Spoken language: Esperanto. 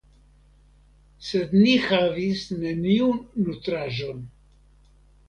Sed ni havis neniun nutraĵon.